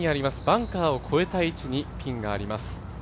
バンカーを越えた位置にピンがあります。